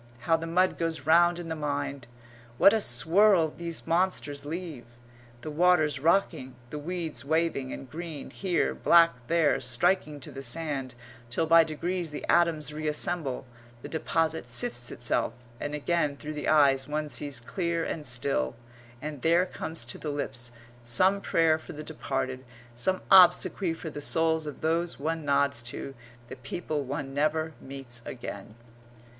How the mud goes round in the mind what a swirl these monsters leave, the waters rocking, the weeds waving and green here, black there, striking to the sand, till by degrees the atoms reassemble, the deposit sifts itself, and again through the eyes one sees clear and still, and there comes to the lips some prayer for the departed, some obsequy for the souls of those one nods to, the people one never meets again.